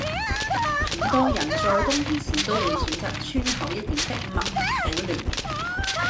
很多人在冬天時都會選擇穿厚一點的襪保暖